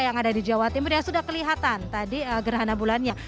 yang ada di jawa timur yang sudah kelihatan tadi gerhana bulannya